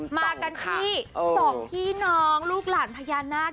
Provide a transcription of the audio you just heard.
มากันที่สองพี่น้องลูกหลานพญานาค